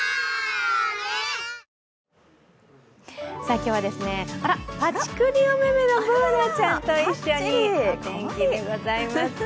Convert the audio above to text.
今日はぱちくりお目めのＢｏｏｎａちゃんと一緒にお天気でございます。